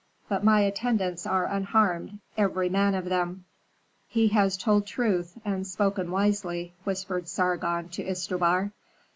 But my attendants are unharmed, every man of them." "He has told truth, and spoken wisely," whispered Sargon to Istubar.